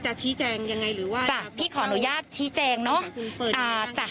ชี้แจงยังไงหรือว่าจ้ะพี่ขออนุญาตชี้แจงเนาะ